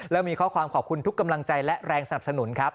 แล้วมีข้อความขอบคุณทุกกำลังใจและแรงสนับสนุนครับ